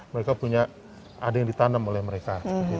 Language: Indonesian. mereka punya ada yang ditanam oleh mereka